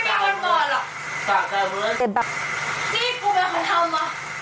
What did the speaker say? นี่คุณเป็นคนทำเหรอ